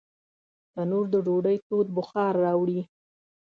تنور د ډوډۍ تود بخار راوړي